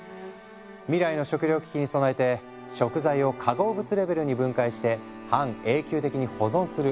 未来の食糧危機に備えて食材を化合物レベルに分解して半永久的に保存する。